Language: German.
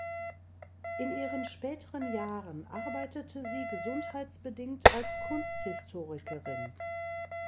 In ihren späteren Jahren arbeitete sie gesundheitsbedingt als Kunsthistorikerin.